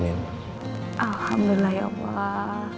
alhamdulillah ya allah